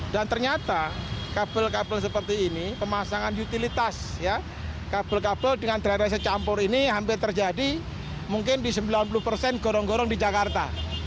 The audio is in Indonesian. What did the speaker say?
dan ternyata kabel kabel seperti ini pemasangan utilitas kabel kabel dengan drainase campur ini hampir terjadi mungkin di sembilan puluh persen gorong gorong di jakarta